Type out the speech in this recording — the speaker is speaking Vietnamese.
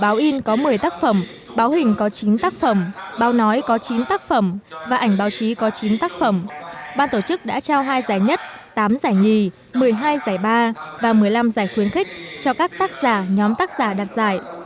báo in có một mươi tác phẩm báo hình có chín tác phẩm báo nói có chín tác phẩm và ảnh báo chí có chín tác phẩm ban tổ chức đã trao hai giải nhất tám giải nhì một mươi hai giải ba và một mươi năm giải khuyến khích cho các tác giả nhóm tác giả đặt giải